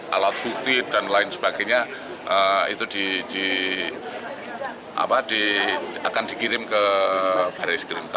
alat bukti dan lain sebagainya akan dikirim ke barres krimpolri